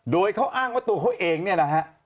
โดยเขาอ้างว่าตัวเขาเองเนี่ยนะฮะ